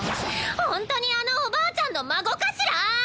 ほんとにあのおばあちゃんの孫かしら